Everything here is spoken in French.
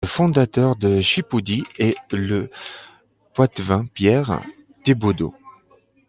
Le fondateur de Chipoudy est le poitevin Pierre Thibaudeau.